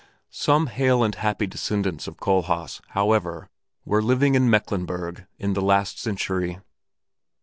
Some hale and happy descendants of Kohlhaas, however, were still living in Mecklenburg in the last century.